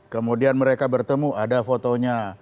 kemudian mereka bertemu ada fotonya